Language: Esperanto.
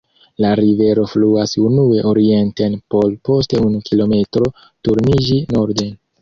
La rivero fluas unue orienten por post unu kilometro turniĝi norden.